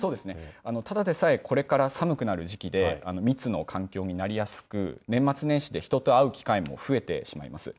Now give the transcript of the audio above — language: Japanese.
ただでさえ、これから寒くなる時期で、密の環境になりやすく、年末年始で人と会う機会も増えてしまいます。